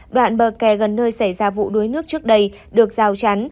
đoạn bờ kè gần nơi xảy ra vụ đuối nước trước đây được rào chắn